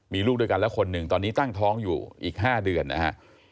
มีลูกด้วยกันแล้วคนหนึ่งตอนนี้ตั้งท้องอยู่อีก๕เดือนนะฮะ